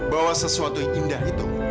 bahwa sesuatu yang indah itu